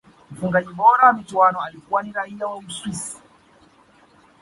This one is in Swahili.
mfungaji bora wa michuano alikuwa ni raia wa uswisi